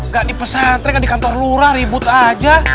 gak di pesantren nggak di kantor lurah ribut aja